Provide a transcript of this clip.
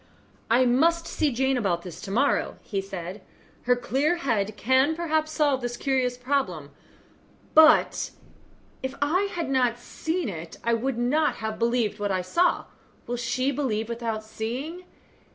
"I must see Jane about this to morrow," said he; "her clear head can perhaps solve this curious problem; but if I had not seen it, I would not have believed what I saw. Will she believe without seeing?